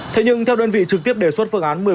thế nhưng theo đơn vị trực tiếp đề xuất phương án